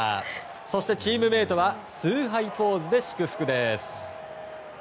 そしてチームメートは崇拝ポーズで祝福です。